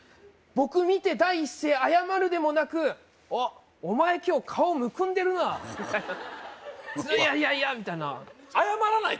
僕見て第一声謝るでもなく「おっお前今日顔むくんでるな」みたいな「いやいやいや」みたいな